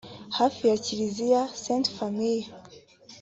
hafi ya Kiliziya Sainte Famille